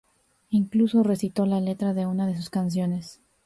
Incluso recitó la letra de una de sus canciones.